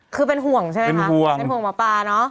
คือเป็นห่วงใช่ไหมคะเป็นห่วงมาปลาเนอะเป็นห่วง